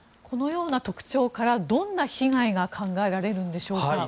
このような特徴からどんな被害が考えられるんでしょうか？